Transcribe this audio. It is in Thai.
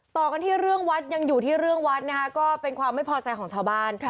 ต่อกันที่เรื่องวัดยังอยู่ที่เรื่องวัดนะคะก็เป็นความไม่พอใจของชาวบ้าน